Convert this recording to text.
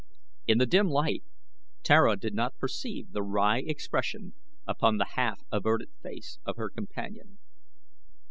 In the dim light Tara did not perceive the wry expression upon the half averted face of her companion.